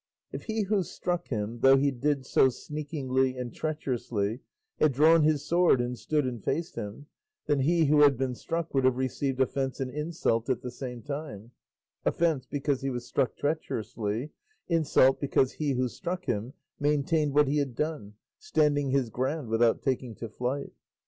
If he who struck him, though he did so sneakingly and treacherously, had drawn his sword and stood and faced him, then he who had been struck would have received offence and insult at the same time; offence because he was struck treacherously, insult because he who struck him maintained what he had done, standing his ground without taking to flight.